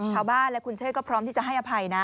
ชาวบ้านและคุณเชษก็พร้อมที่จะให้อภัยนะ